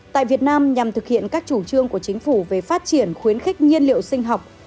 tại việt nam nhằm thực hiện các chủ trương của chính phủ về phát triển khuyến khích nhiên liệu sinh học